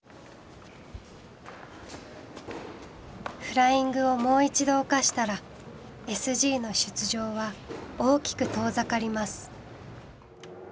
フライングをもう一度犯したらＳＧの出場は大きく遠ざかります。